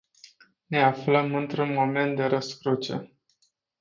Ne aflăm într-un moment de răscruce.